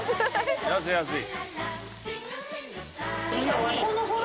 安い安い。